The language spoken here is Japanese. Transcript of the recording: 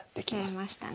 出れましたね。